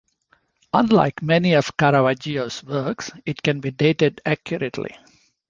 Unlike many of Caravaggio's works, it can be dated accurately.